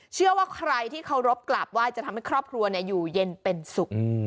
เชื่อว่าใครที่เคารพกราบไหว้จะทำให้ครอบครัวอยู่เย็นเป็นสุข